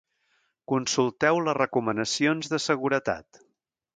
Consulteu les recomanacions de seguretat.